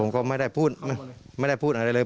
ก็ไม่ได้พูดไม่ได้พูดอะไรเลย